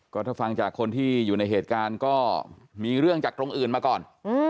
ก็ถ้าฟังจากคนที่อยู่ในเหตุการณ์ก็มีเรื่องจากตรงอื่นมาก่อน